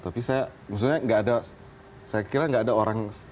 tapi saya maksudnya nggak ada saya kira nggak ada orang